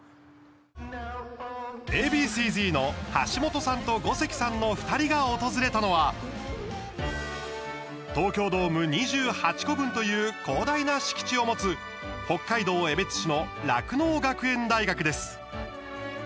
Ａ．Ｂ．Ｃ−Ｚの橋本さんと五関さんの２人が訪れたのは東京ドーム２８個分という広大な敷地を持つ北海道江別市の酪農学園大学です。